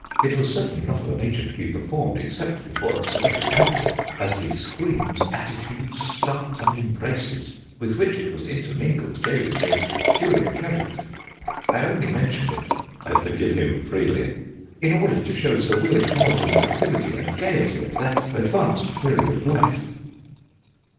It was certainly not of a nature to be performed, except before a select company ; as the screams, attitudes, starts, and embraces, with which it was intermingled, gave it a peculiar character. I only mentioned it ' I forgive him freely ' in order to show Sir William Hamilton's activity and gaiety at that advanced period of life.'